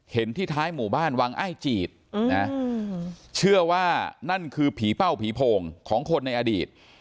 เห็นที่ท้ายหมู่บ้านวังอ้ายจีดนะเชื่อว่านั่นคือผีเป้าผีโพงของคนในอดีต